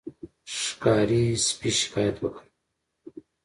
ښکاري سپي شکایت وکړ.